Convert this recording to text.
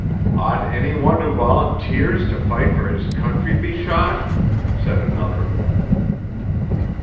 'Ought any one who volunteers to fight for his country be shot?' said another.